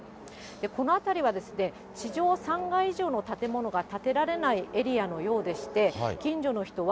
この辺りは地上３階以上の建物が建てられないエリアのようでして、近所の人は、